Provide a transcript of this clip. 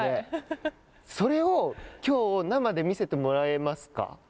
それをきょう生でみせてもらえますか。